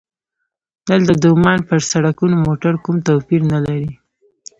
دلته د عمان پر سړکونو موټر کوم توپیر نه لري.